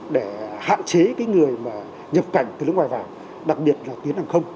để hạn chế cái người mà nhập cảnh từ nước ngoài vào đặc biệt là tuyến hàng không